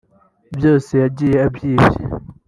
byose yagiye abyibye